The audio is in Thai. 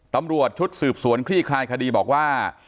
ตำรวจชุดสืบสวนคลี่คลายคดีบอกว่า